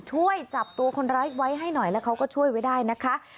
ช่วยจับตัวคนร้ายไว้ให้หน่อยแล้วเขาก็ช่วยไว้ได้นะคะ